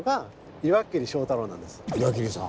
岩切さん。